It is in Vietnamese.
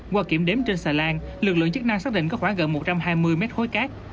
qua kiểm đếm trên xà lan lực lượng chức năng xác định có khoảng gần một trăm hai mươi mét khối cát